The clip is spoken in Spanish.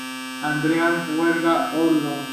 Andrea Huerga Alonso.